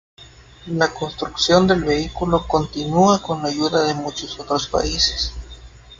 La construcción del vehículo continúa con la ayuda de muchos otros países.